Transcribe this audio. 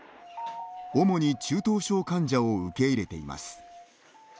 主に中等症患者を受け入れています。